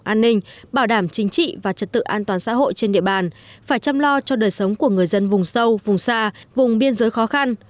an ninh bảo đảm chính trị và trật tự an toàn xã hội trên địa bàn phải chăm lo cho đời sống của người dân vùng sâu vùng xa vùng biên giới khó khăn